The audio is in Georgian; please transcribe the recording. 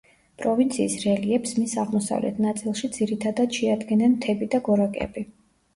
პროვინციის რელიეფს, მის აღმოსავლეთ ნაწილში ძირითადად შეადგენენ მთები და გორაკები.